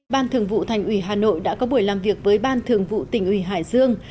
ban thường vụ thành ủy hà nội đã có buổi làm việc với ban thường vụ tỉnh ủy hải dương